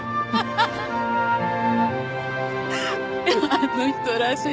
あの人らしい最期。